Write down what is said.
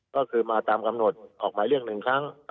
ก็คือมาตามกำหนดออกหมายเรียก๑ครั้ง